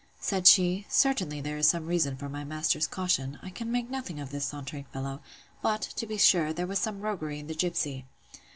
Said she, Certainly there is some reason for my master's caution: I can make nothing of this sauntering fellow; but, to be sure, there was some roguery in the gipsy.